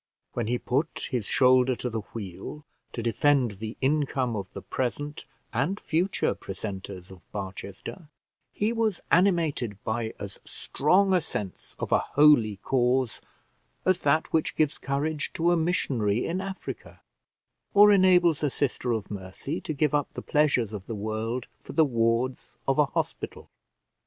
When he put his shoulder to the wheel to defend the income of the present and future precentors of Barchester, he was animated by as strong a sense of a holy cause, as that which gives courage to a missionary in Africa, or enables a sister of mercy to give up the pleasures of the world for the wards of a hospital.